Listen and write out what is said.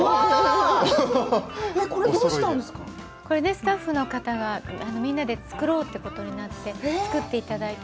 スタッフの方がみんなで作ろうということになって、作っていただいて。